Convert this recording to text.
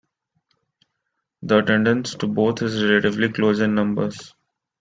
The attendance to both is relatively close in numbers.